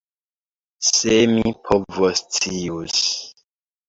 Se mi povoscius!